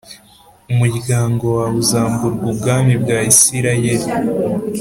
Umuryango wawe uzamburwa ubwami bwa isirayeli